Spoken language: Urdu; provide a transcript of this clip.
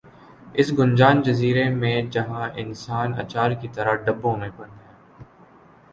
اس گنجان جزیر ے میں جہاں انسان اچار کی طرح ڈبوں میں بند ہے